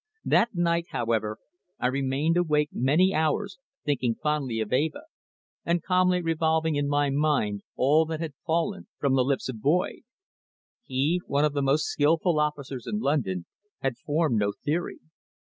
That night, however, I remained awake many hours thinking fondly of Eva, and calmly revolving in my mind all that had fallen from the lips of Boyd. He, one of the most skilful officers in London, had formed no theory.